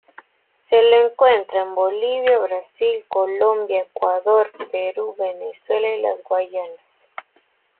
Se lo encuentra en Bolivia, Brasil, Colombia, Ecuador, Perú, Venezuela y las Guayanas.